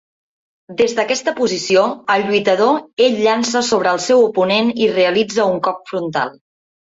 Des d'aquesta posició, el lluitador ell llança sobre el seu oponent i realitza un cop frontal.